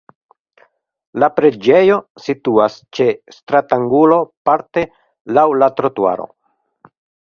La preĝejo situas ĉe stratangulo parte laŭ la trotuaro.